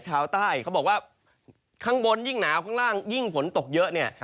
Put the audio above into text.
ชาวใต้เขาบอกว่าข้างบนยิ่งหนาวข้างล่างยิ่งฝนตกเยอะเนี่ย